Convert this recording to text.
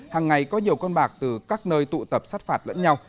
hàng ngày có nhiều con bạc từ các nơi tụ tập sát phạt lẫn nhau